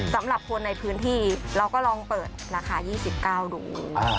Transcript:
สำหรับคนในพื้นที่เราก็ลองเปิดราคา๒๙ดู